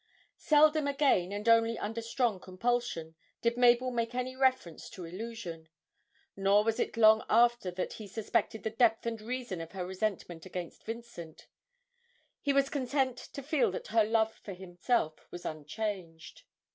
Seldom again, and only under strong compulsion, did Mabel make any reference to 'Illusion,' nor was it till long after that he suspected the depth and reason of her resentment against Vincent he was content to feel that her love for himself was unchanged.